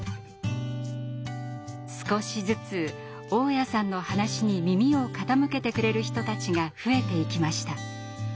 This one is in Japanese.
少しずつ雄谷さんの話に耳を傾けてくれる人たちが増えていきました。